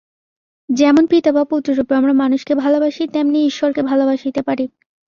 যেমন পিতা বা পুত্ররূপে আমরা মানুষকে ভালবাসি, তেমনি ঈশ্বরকে ভালবাসিতে পারি।